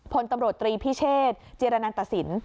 พลตำรวจตรีพิเชษจิรนันตสิน